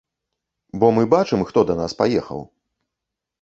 Бо мы бачым, хто да нас паехаў!